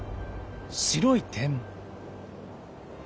白い点。